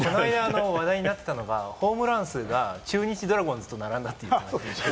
話題になっていたのが、ホームラン数が中日ドラゴンズと並んだという。